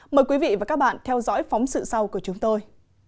mời quý vị và các bạn theo dõi phóng sự sau của chúng tôi